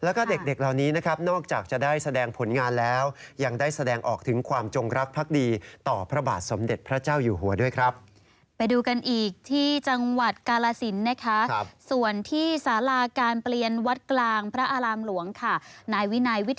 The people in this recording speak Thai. ว่าสวยมากนะครับครับครับ